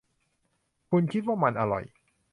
คุณคิดว่ามันอร่อย